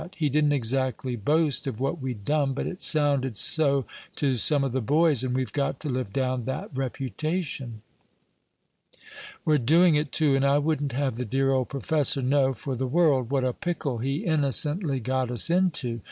He didn't exactly boast of what we'd done, but it sounded so to some of the boys, and we've got to live down that reputation. "We're doing it, too, and I wouldn't have the dear old professor know, for the world, what a pickle he innocently got us into.